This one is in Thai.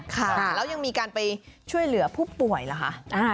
ค่ะแล้วยังมีการไปช่วยเหลือผู้ป่วยเหรอคะ